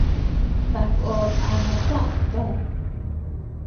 Takon ama toʼö tö.